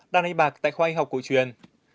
đang đánh bạc tại khoa y học cổ truyền